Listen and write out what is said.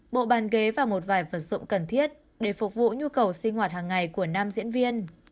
bộ bàn ghế và một vài vật dụng cần thiết để phục vụ nhu cầu sinh hoạt hàng ngày của nam diễn viên